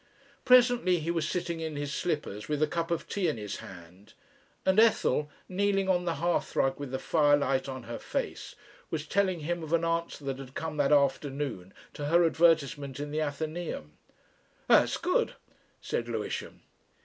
Presently he was sitting in his slippers, with a cup of tea in his hand, and Ethel, kneeling on the hearthrug with the firelight on her face, was telling him of an answer that had come that afternoon to her advertisement in the Athenaeum. "That's good," said Lewisham.